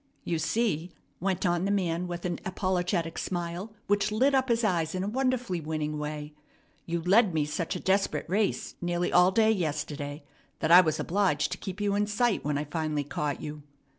"You see," went on the man with an apologetic smile, which lit up his eyes in a wonderfully winning way, "you led me such a desperate race nearly all day yesterday that I was obliged to keep you in sight when I finally caught you."